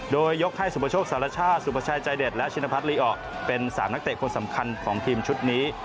โดยยกให้สุประโชคสารชาติสุประชายใจเด็ดและชินพัฒนลีออกเป็น๓นักเตะคนสำคัญของทีมชุดนี้